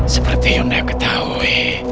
seperti yang anda ketahui